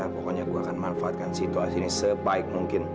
pokoknya aku akan manfaatkan situasi ini sebaik mungkin